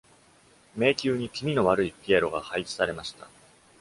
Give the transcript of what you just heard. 迷宮に気味の悪いピエロが配置されました。